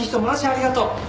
マジありがとう！